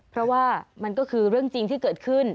เพราะว่ามันก็คือเรื่องจริงที่เกิดขึ้น